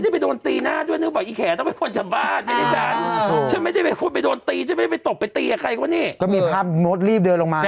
พี่หนุ่มไปกินข้าวเหมือนกัน